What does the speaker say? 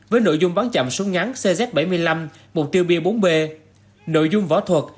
với nội dung bắn chậm súng ngắn cz bảy mươi năm mục tiêu bia bốn b nội dung võ thuật